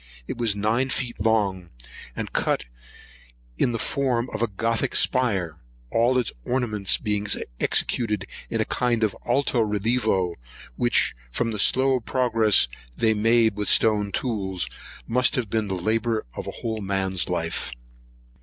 It was nine feet long, and cut in the form of a Gothic spire, all its ornaments being executed in a kind of alto relievo; which, from the slow progress they made with stone tools, must have been the labour of a man's whole life.